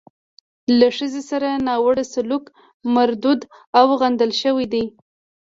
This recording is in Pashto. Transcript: له ښځې سره ناوړه سلوک مردود او غندل شوی دی.